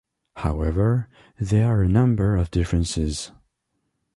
However, there are a number of differences.